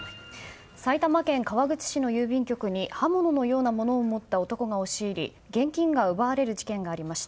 埼玉県川口市の郵便局に刃物のようなものを持った男が押し入り、現金が奪われる事件がありました。